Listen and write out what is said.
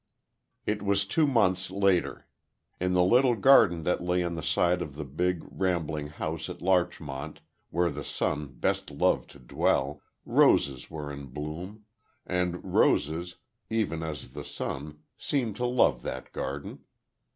It was two months later. In the little garden that lay on the side of the big, rambling house at Larchmont where the sun best loved to dwell, roses were in bloom; and roses, even as the sun, seemed to love that garden.